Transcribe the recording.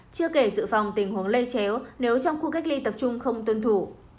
chưa kể sự phòng tình huống lây chéo nếu trong khu cách ly tập trung không tuân thủ